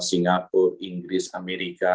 singapura inggris amerika